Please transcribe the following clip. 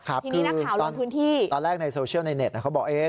คือนักข่าวลงพื้นที่ตอนแรกในโซเชียลในเน็ตเขาบอกเอ๊ะ